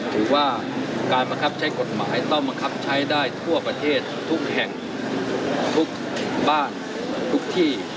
ถือว่าการบังคับใช้กฎหมายต้องบังคับใช้ได้ทั่วประเทศทุกแห่งทุกบ้านทุกที่